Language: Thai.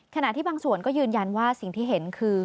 ขณะที่บางส่วนก็ยืนยันว่าสิ่งที่เห็นคือ